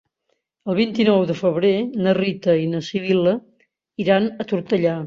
El vint-i-nou de febrer na Rita i na Sibil·la iran a Tortellà.